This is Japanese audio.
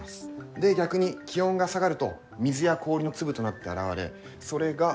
で逆に気温が下がると水や氷の粒となって現れそれが雲。